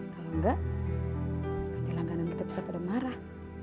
kalau enggak nanti langganan kita bisa pada marah